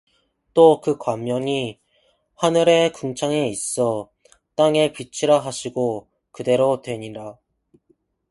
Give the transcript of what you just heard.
또 그 광명이 하늘의 궁창에 있어 땅에 비취라 하시고 그대로 되니라